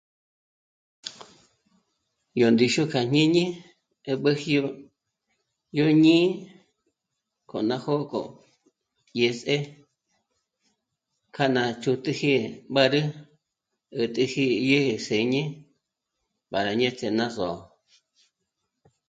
Yó ndíxu kja jñíñi yó mbéjyo yó ñí'i k'o ná jó'o k'o dyès'e kja ná ch'ǘtüji mbárü, 'ä̀t'äji yé'e s'éñe para ñéts'e ná só'o